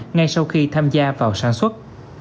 ngay sau khi tham gia vào sản xuất